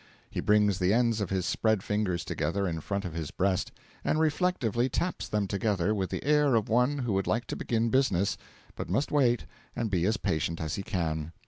He brings the ends of his spread fingers together, in front of his breast, and reflectively taps them together, with the air of one who would like to begin business, but must wait, and be as patient as he can.